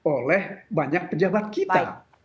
oleh banyak pejabat kita